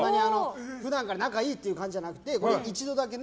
普段から仲がいいという感じじゃなくて一度だけ。